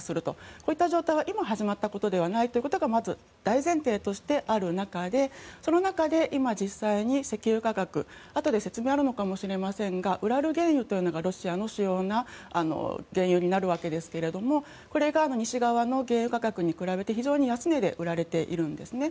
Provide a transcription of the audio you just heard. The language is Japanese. こういった状態は今、始まったことではないということがまず大前提としてある中でその中で、今実際に石油価格、あとで説明あるのかもしれませんがウラル原油というのがロシアの主要な原油になるわけですがこれが西側の原油価格に比べて非常に安値で売られているんですね。